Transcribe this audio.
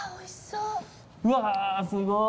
うわーすごい。